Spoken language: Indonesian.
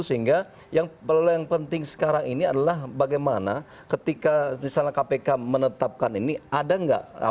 sehingga yang penting sekarang ini adalah bagaimana ketika misalnya kpk menetapkan ini ada nggak